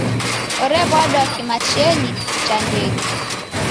Orew'adwa kiw'achenyi cha ndege.